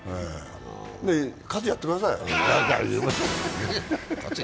喝やってください。